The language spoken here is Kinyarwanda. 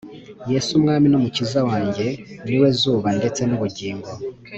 Yes'Umwami n'Umukiza wanjye, Ni we zuba ndetse n'ubugingo.